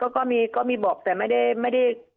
ก็มีบอกแต่ไม่ได้